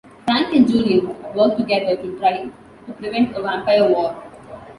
Frank and Julian work together to try to prevent a vampire war.